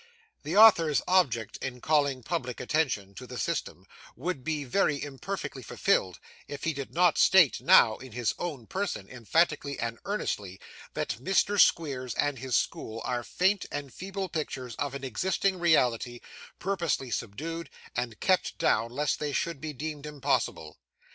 "The Author's object in calling public attention to the system would be very imperfectly fulfilled, if he did not state now, in his own person, emphatically and earnestly, that Mr. Squeers and his school are faint and feeble pictures of an existing reality, purposely subdued and kept down lest they should be deemed impossible.